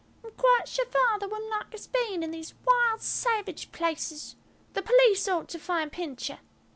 "I'm quite sure Father wouldn't like us being in these wild, savage places. The police ought to find Pincher."